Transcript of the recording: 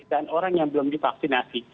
dan orang yang belum divaksinasi